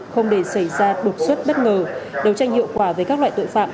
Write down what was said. không để xảy ra đột xuất bất ngờ đấu tranh hiệu quả với các loại tội phạm